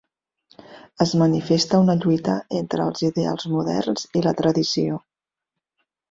Es manifesta una lluita entre els ideals moderns i la tradició.